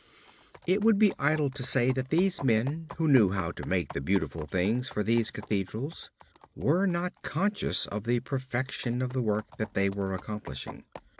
It would be idle to say that these men who knew how to make the beautiful things for these cathedrals were not conscious of the perfection of the work that they were accomplishing.